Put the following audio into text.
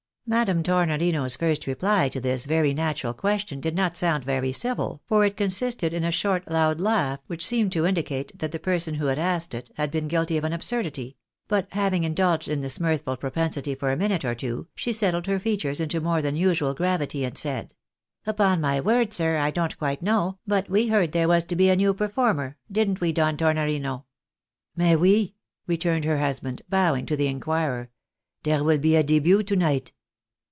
Madam Tornorino's first reply to this very natural question did not sound very civil, for it consisted in a short loud laugh, which seemed to indicate that the person who had asked it, had been guilty of an absurdity ; but having indulged in this mirthful pro pensity for a minute or two, she settled her features into more than usual gravity, and said —" Upon my word, sir, I don't quite know, but we heard there was to be a new performer ; didn't we, Don Tornorino ?"" Mais oui" returned her husband, bowing to the inquirer, " dere will be a delmt to night."